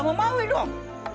mau maui dong